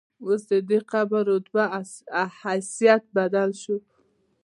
اوس ددې قبر رتبه او حیثیت بدل شو.